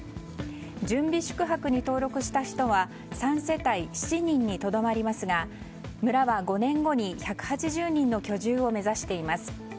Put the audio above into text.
準備宿泊に登録した人は３世帯７人にとどまりますが村は、５年後に１８０人の居住を目指しています。